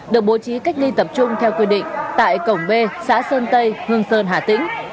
được bố trí cách ly tập trung theo quy định tại cổng b xã sơn tây hương sơn hà tĩnh